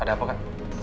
ada apa kak